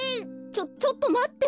ちょちょっとまって。